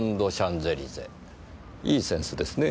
いいセンスですねぇ。